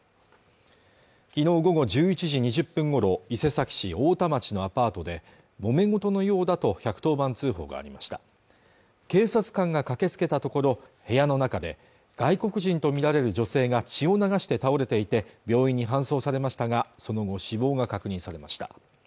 昨日午後１１時２０分ごろ伊勢崎市太田町のアパートでもめ事のようだと１１０番通報がありました警察官が駆けつけたところ部屋の中で外国人とみられる女性が血を流して倒れていて病院に搬送されましたがその後死亡が確認されました